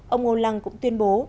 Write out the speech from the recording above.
ông hollande cũng tuyên bố